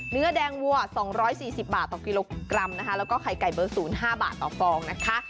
เนื้อแดงวัว๒๔๐บาทต่อกิโลกรัมนะคะแล้วก็ไข่ไก่เบอร์๐๕บาทต่อฟองนะคะ